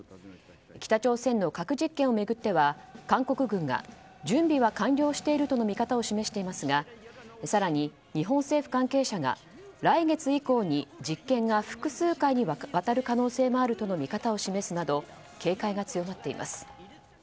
北朝鮮の核実験を巡っては韓国軍が準備は完了しているとの見方を示していますが更に、日本政府関係者が来月以降に実験が複数回にわたる可能性もあるとの見方を示すなど警戒が強まっています。